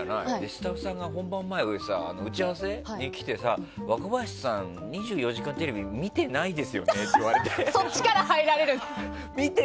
スタッフさんが本番前、打ち合わせに来てさ若林さん、「２４時間テレビ」見ていないですよねって言われて。